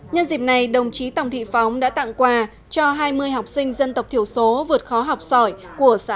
nhân dịp này đồng chí tổng thị phóng đã tặng quà cho hai mươi học sinh dân tộc thiểu số vượt khó học sỏi của xã ayun